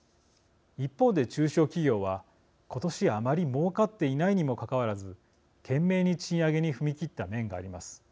一方で、中小企業は今年、あまりもうかっていないにもかかわらず懸命に賃上げに踏み切った面があります。